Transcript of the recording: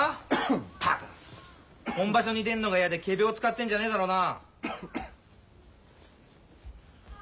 ったく本場所に出んのが嫌で仮病使ってんじゃねえだろうな。